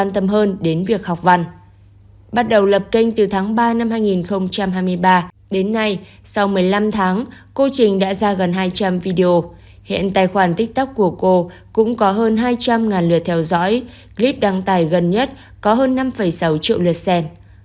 trong một mươi năm tháng cô trình đã ra gần hai trăm linh video hiện tài khoản tiktok của cô cũng có hơn hai trăm linh lượt theo dõi clip đăng tải gần nhất có hơn năm sáu triệu lượt sen